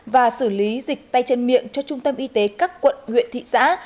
và xử lý dịch tay chân miệng cho trung tâm y tế các quận huyện thị xã